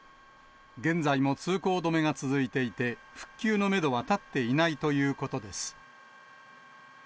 現在も通行止めが続いていて、復旧のメドは立っていないということです。